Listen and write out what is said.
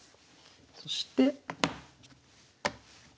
そして。